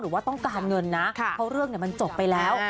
ว่าต้องการเงินนะเพราะเรื่องมันจบไปแล้ว